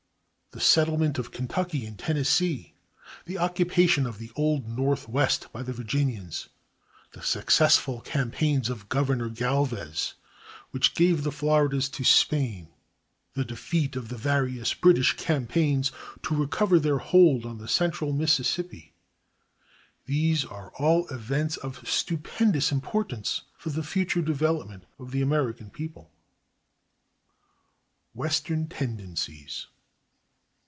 The settlement of Kentucky and Tennessee, the occupation of the Old Northwest by the Virginians, the successful campaigns of Governor Galvez which gave the Floridas to Spain, the defeat of the various British campaigns to recover their hold on the central Mississippi; these are all events of stupendous importance for the future development of the American people. Western Tendencies.